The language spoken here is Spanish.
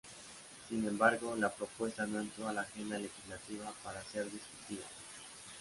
Sin embargo, la propuesta no entró a la agenda legislativa para ser discutida.